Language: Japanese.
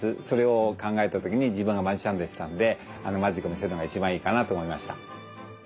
それを考えた時に自分がマジシャンでしたんでマジックを見せるのが一番いいかなと思いました。